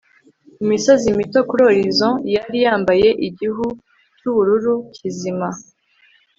Imisozi mito kuri horizon yari yambaye igihu cyubururu kizima